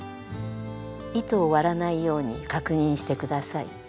糸を割らないように確認して下さい。